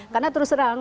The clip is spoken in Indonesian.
karena terus serang